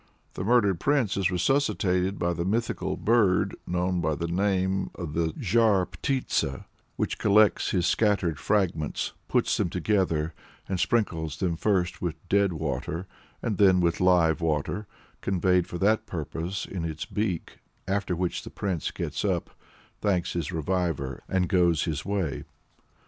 The murdered prince is resuscitated by the mythical bird known by the name of the Zhar Ptitsa, which collects his scattered fragments, puts them together, and sprinkles them first with "dead water" and then with "live water," conveyed for that purpose in its beak after which the prince gets up, thanks his reviver, and goes his way.